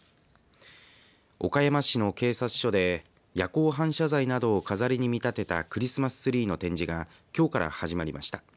岡山市の警察署で夜光反射材などを飾りに見立てたクリスマスツリーの展示がきょうから始まりました。